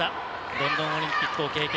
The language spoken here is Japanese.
ロンドンオリンピックを経験。